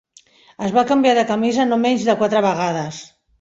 Es va canviar de camisa no menys de quatre vegades.